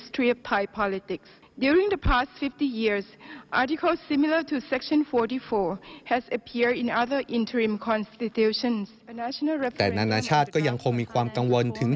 แต่นาชาติก็ยังคงมีความกังวลถึง